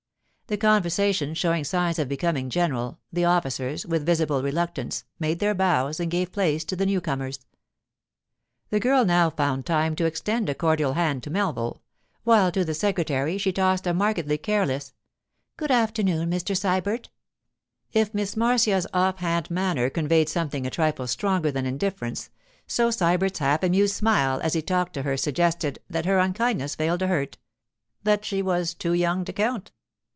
The conversation showing signs of becoming general, the officers, with visible reluctance, made their bows and gave place to the new comers. The girl now found time to extend a cordial hand to Melville, while to the secretary she tossed a markedly careless, 'Good afternoon, Mr. Sybert.' If Miss Marcia's offhand manner conveyed something a trifle stronger than indifference, so Sybert's half amused smile as he talked to her suggested that her unkindness failed to hurt; that she was too young to count.